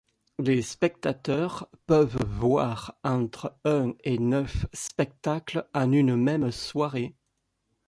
Les spectateurs peuvent voir entre un et neuf spectacles en une même soirée.